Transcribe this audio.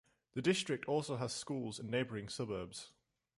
The district also has schools in neighboring suburbs.